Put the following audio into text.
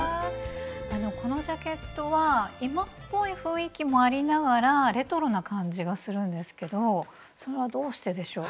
このジャケットは今っぽい雰囲気もありながらレトロな感じがするんですけどそれはどうしてでしょう？